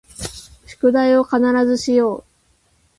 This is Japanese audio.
宿題を必ずしよう